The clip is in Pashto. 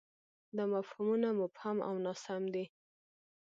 دا مفهومونه مبهم او ناسم دي.